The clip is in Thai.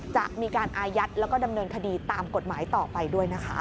จะมีการอายัดแล้วก็ดำเนินคดีตามกฎหมายต่อไปด้วยนะคะ